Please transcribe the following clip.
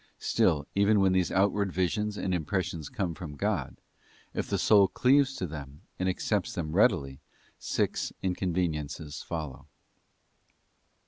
Still, even when these outward visions and im pressions come from God, if the soul cleaves to them and accepts them readily, six inconveniences follow.